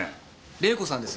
玲子さんです。